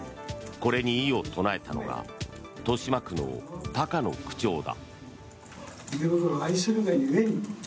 これに異を唱えたのが豊島区の高野区長だ。